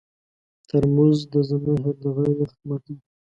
ترموز د زمهر د غره یخ ماتوي.